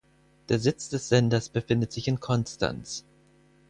Der Sitz des Senders befindet sich in Konstanz.